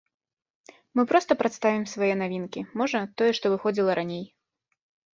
Мы проста прадставім свае навінкі, можа, тое, што выходзіла раней.